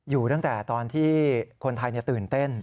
อยู่ตั้งแต่ตอนที่คนไทยตื่นเต้น